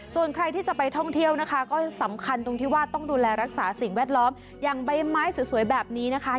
ส่วนใครที่จะไปท่องเที่ยวนะคะก็สำคัญตรงที่ว่าต้องดูแลรักษาสิ่งแวดล้อมอย่างใบไม้สวยแบบนี้นะคะ